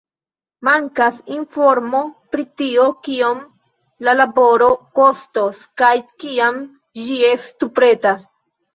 Mankas informo pri tio, kiom la laboro kostos kaj kiam ĝi estu preta.